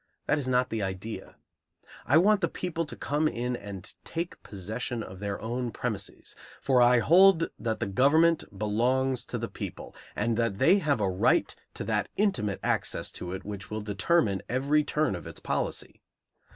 That is not the idea. I want the people to come in and take possession of their own premises; for I hold that the government belongs to the people, and that they have a right to that intimate access to it which will determine every turn of its policy.